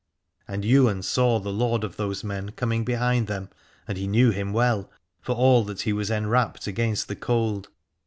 338 Alad ore And Ywain saw the lord of those men coming behind them, and he knew him well, for all that he was enwrapped against the cold.